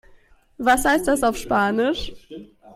Was heißt das auf Spanisch?